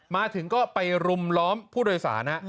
มาถึงก็ไปรุมล้อมผู้โดยสารฮะ